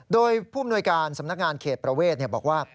โดยผู้อำนวยการสำนักงานเขตประเวทบอกว่า